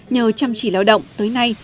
nhờ chăm chỉ lao động tới nay